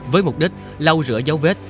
với mục đích lau rửa dấu vết